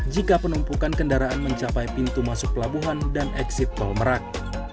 jika penumpukan kendaraan mencapai pintu masuk pelabuhan dan eksit tol merak